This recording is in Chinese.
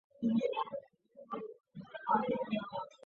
伊赫拉瓦是捷克历史最为古老的矿业城市。